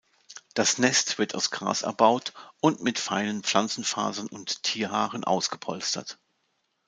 Das Nest wird aus Gras erbaut und mit feinen Pflanzenfasern und Tierhaaren ausgepolstert.